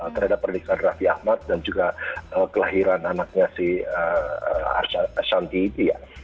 terhadap pernikahan raffi ahmad dan juga kelahiran anaknya si ashanti itu ya